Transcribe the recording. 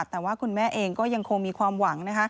แต่ว่าคุณแม่เองก็ยังคงมีความหวัง